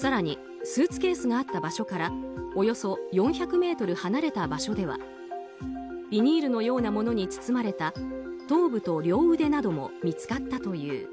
更にスーツケースがあった場所からおよそ４００ｍ離れた場所ではビニールのようなものに包まれた頭部と両腕なども見つかったという。